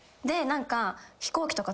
で何か。